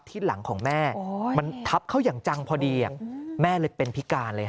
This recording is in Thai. ที่หลังของแม่มันทับเข้าอย่างจังพอดีแม่เลยเป็นพิการเลย